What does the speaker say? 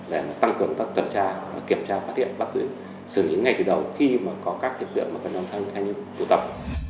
để tăng cường các tuần tra kiểm tra phát hiện bắt giữ xử lý ngay từ đầu khi có các hiện tượng của nhóm thanh thiếu niên tụ tập